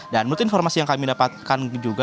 dan menurut informasi yang kami dapatkan juga